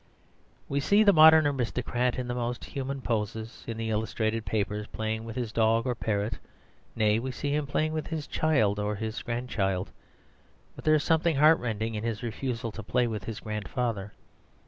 We see the modern aristocrat in the most human poses in the illustrated papers, playing with his dog or parrot nay, we see him playing with his child, or with his grandchild. But there is something heartrending in his refusal to play with his grandfather.